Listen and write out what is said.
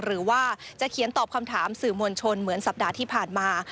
หรือว่าจะเขียนตอบคำถามสื่อมวลชนเหมือนสัปดาห์ที่ผ่านมา